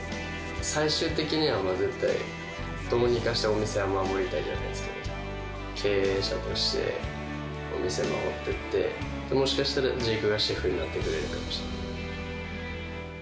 最終的には絶対、どうにかしてお店は守りたいじゃないですけど、経営者としてお店守ってって、もしかしたらジェイクがシェフになってくれるかもしれない。